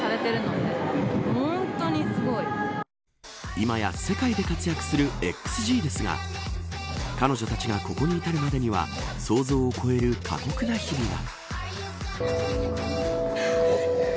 今や世界で活躍するＸＧですが彼女たちがここに至るまでには想像を超える過酷な日々が。